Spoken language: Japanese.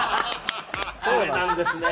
それなんですね。